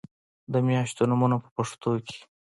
د میاشتو نومونه په پښتو کې